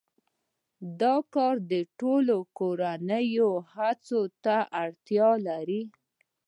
خو دا کار د ټولې کورنۍ هڅو ته اړتیا لري